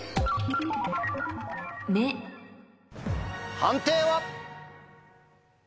判定は？